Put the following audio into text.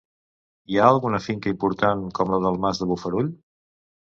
Hi ha alguna finca important, com la del Mas de Bofarull.